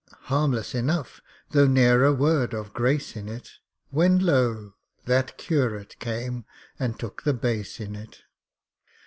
Harmless enough, though ne'er a word of grace in it, When, lo! that curate came and took the bass in it!